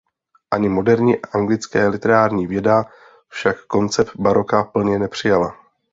Ani moderní anglické literární věda však koncept baroka plně nepřijala.